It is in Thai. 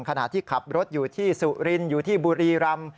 ขณะที่ขับรถอยู่ที่สุรินอยู่ที่บุรีรำ